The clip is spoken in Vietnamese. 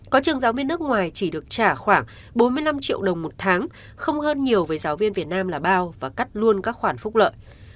có trường giáo viên nước ngoài chỉ được trả khoảng bốn mươi năm triệu đồng một tháng không hơn nhiều với giáo viên việt nam là bao và cắt luôn các khoản phúc lợi